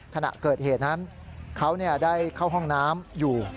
ขณะเกิดเหตุนั้นเขาได้เข้าห้องน้ำอยู่